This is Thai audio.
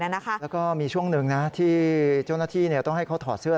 แล้วก็มีช่วงหนึ่งที่เจ้าหน้าที่ต้องให้เขาถอดเสื้อ